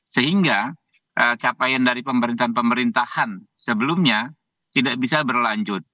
sehingga capaian dari pemerintahan pemerintahan sebelumnya tidak bisa berlanjut